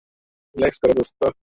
Relax করো, দোস্ত।